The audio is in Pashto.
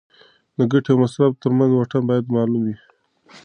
د ګټې او مصرف ترمنځ واټن باید معلوم وي.